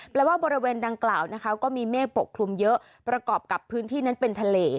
แปลว่าบริเวณดังกล่าวนะคะก็มีเมฆปกคลุมเยอะประกอบกับพื้นที่นั้นเป็นทะเล